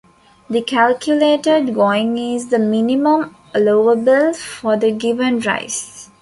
The calculated Going is the minimum allowable for the given Rise.